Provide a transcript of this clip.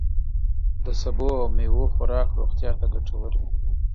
د سبوو او میوو خوراک روغتیا ته ګتور وي.